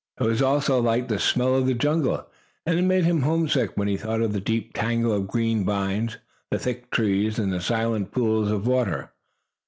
It was almost like the smell of the jungle, and it made him homesick when he thought of the deep tangle of green vines, the thick trees and the silent pools of water.